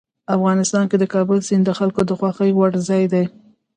افغانستان کې د کابل سیند د خلکو د خوښې وړ ځای دی.